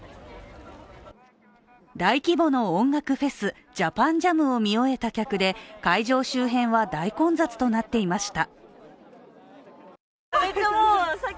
大規模な音楽フェス、ＪＡＰＡＮＪＡＭを見終えた観客で会場周辺は大混雑となっていました。